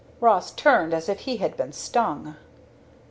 Ross turned as if he had been stung.